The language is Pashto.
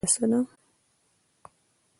نیت د زړه د پرېکړې هندسه ده.